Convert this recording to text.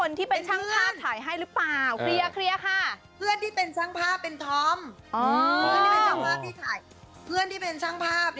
แล้วใช่มั้ยคนที่เป็นช่างภาพถ่ายให้หรือเปล่า